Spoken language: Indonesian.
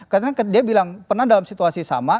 karena dia bilang pernah dalam situasi sama